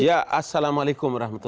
ya assalamualaikum wr wb